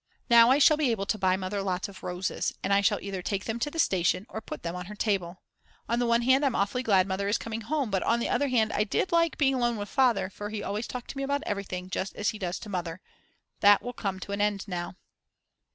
Now I shall be able to buy Mother lots of roses, and I shall either take them to the station or put them on her table. On the one hand I'm awfully glad Mother is coming home, but on the other hand I did like being alone with Father for he always talked to me about everything just as he does to Mother; that will come to an end now.